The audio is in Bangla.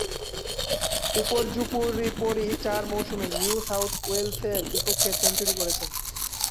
উপর্যুপরী চার মৌসুমে নিউ সাউথ ওয়েলসের বিপক্ষে সেঞ্চুরি করেছেন।